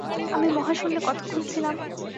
আমি মহাশূন্যে কতক্ষণ ছিলাম?